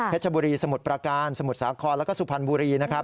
พระธุบุรีสมุดประการสมุดสาคอนแล้วก็สุภัณฑ์บุรี